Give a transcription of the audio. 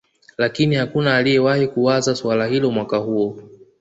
Lakini hakuna aliyewahi kuwaza suala hilo Mwaka huo